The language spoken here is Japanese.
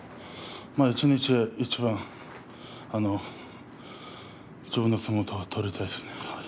一日一番、自分の相撲を取りたいですね。